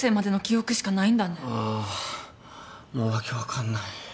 もう訳分かんない。